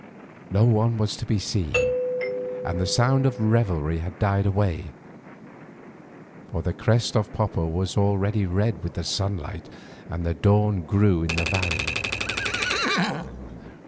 No one was to be seen, and the sound of revelry had died away, for the crest of Popo was already red with the sunlight and the dawn grew in the valley.